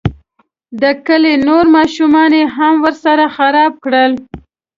د کلي نور ماشومان یې هم ورسره خراب کړل.